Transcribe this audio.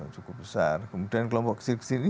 cukup besar kemudian kelompok kecil kecil